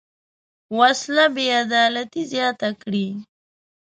وسله بېعدالتي زیاته کړې